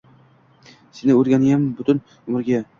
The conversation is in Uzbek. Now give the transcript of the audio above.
Seni o‘rganayin butun umrga.